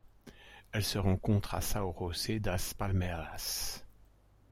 Elle se rencontre à São José das Palmeiras.